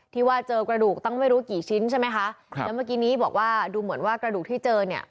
ที่ว่าเจอกระดูกตั้งไม่รู้กี่ชิ้นใช่ไหมคะครับแล้วเมื่อกี้นี้บอกว่าดูเหมือนว่ากระดูกที่เจอเนี่ย